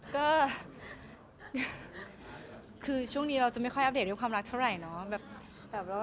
ก็คือช่วงนี้เราจะไม่ค่อยอัปเดตด้วยความรักเท่าไหร่เนาะ